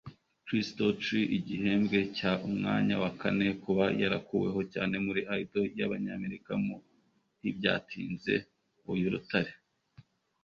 Chris Daughtry (Igihembwe cya umwanya wa kane): Kuba yarakuweho cyane muri Idol y'Abanyamerika mu ntibyatinze uyu rutare.